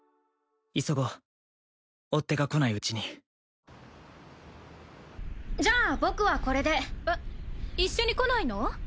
急ごう追っ手が来ないうちにじゃあ僕はこれでえっ一緒に来ないの？